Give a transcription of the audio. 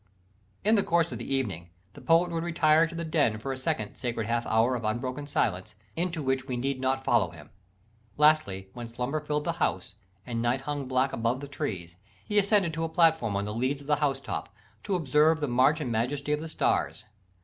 _ In the course of the evening, the poet would retire to the "den" for a second "sacred half hour" of unbroken silence, into which we need not follow him. Lastly, when slumber filled the house, and night hung black above the trees, he ascended to a platform on the leads of the house top, to observe the march and majesty of the stars.